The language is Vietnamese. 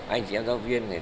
anh chị em giáo viên